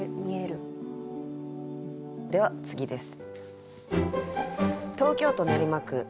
では次です。